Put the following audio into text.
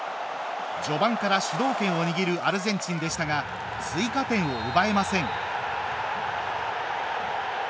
序盤から主導権を握るアルゼンチンでしたが追加点を奪えません。